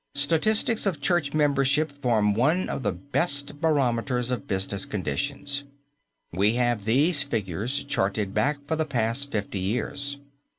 Statistics of church membership form one of the best barometers of business conditions. We have these figures charted back for the past fifty years.